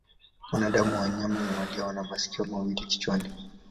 Wanadamu na wanyama mamalia wana masikio mawili kichwani.